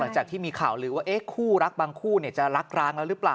จากที่มีข่าวลือว่าคู่รักบางคู่จะรักร้างแล้วหรือเปล่า